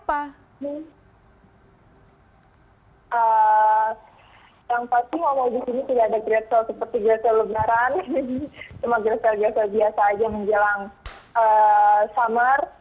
yang pasti kalau disini gak ada great soul seperti great soul lebaran cuma great soul biasa aja yang menjelang summer